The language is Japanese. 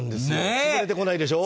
潰れてこないでしょ？